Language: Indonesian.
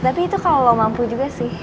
tapi itu kalau mampu juga sih